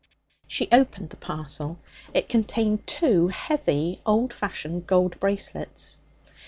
She opened the parcel. It contained two heavy old fashioned gold bracelets.